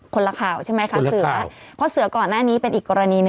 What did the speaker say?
คนละข่าวใช่ไหมคะเสือเพราะเสือก่อนหน้านี้เป็นอีกกรณีหนึ่ง